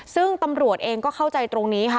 ซึ่งตำรวจเองก็เข้าใจตรงนี้ค่ะ